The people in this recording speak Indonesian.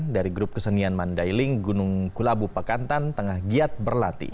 dari grup kesenian mandailing gunung kulabu pakantan tengah giat berlatih